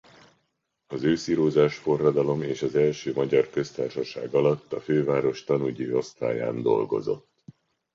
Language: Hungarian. Az őszirózsás forradalom és az első magyar köztársaság alatt a főváros tanügyi osztályán dolgozott.